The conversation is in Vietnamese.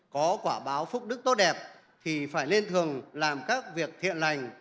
có quả báo phúc đức tốt đẹp thì phải lên thường làm các việc thiện lành